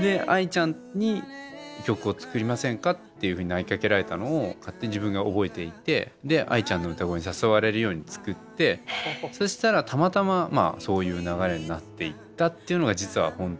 でＡＩちゃんに曲を作りませんかっていうふうに投げかけられたのを勝手に自分が覚えていてＡＩちゃんの歌声に誘われるように作ってそしたらたまたまそういう流れになっていったっていうのが実は本当のところで。